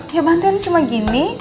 ya bantuin cuma gini